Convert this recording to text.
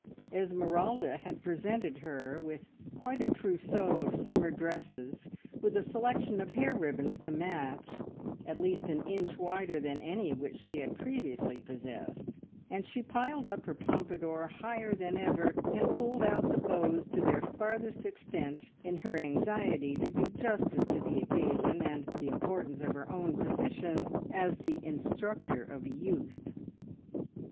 Esmeralda had presented her with quite a trousseau of summer dresses, with a selection of hair ribbons to match, at least an inch wider than any which she had previously possessed, and she piled up her pompadour higher than ever, and pulled out the bows to their farthest extent in her anxiety to do justice to the occasion, and the importance of her own position as the instructor of youth.